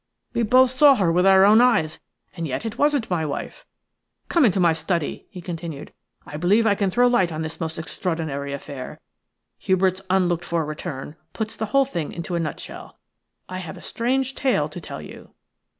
We both saw her with our own eyes, and yet it wasn't my wife. Come into my study," he continued; "I believe I can throw light on this most extraordinary affair. Hubert's unlooked for return puts the whole thing into a nutshell. I have a strange tale to tell you."